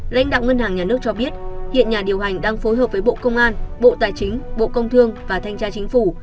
lãnh đạo ngân hàng nhà nước cho biết hiện nhà điều hành đang phối hợp với bộ công an bộ tài chính bộ công thương và thanh tra chính phủ